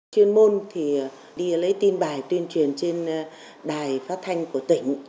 chuyên môn thì đi lấy tin bài tuyên truyền trên đài phát thanh của tỉnh